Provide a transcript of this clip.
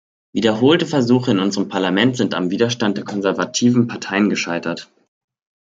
Wiederholte Versuche in unserem Parlament sind am Widerstand der konservativen Parteien gescheitert.